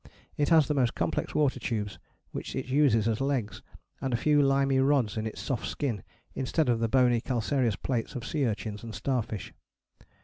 It has the most complex water tubes, which it uses as legs, and a few limy rods in its soft skin instead of the bony calcareous plates of sea urchins and starfish.